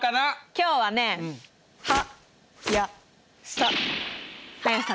今日はね何その「はやさ」。